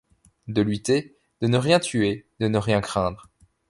De lutter, de ne rien tuer, de ne rien craindre